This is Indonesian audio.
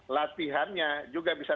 latihannya juga bisa